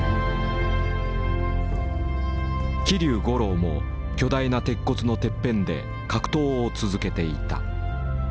桐生五郎も巨大な鉄骨のてっぺんで格闘を続けていた。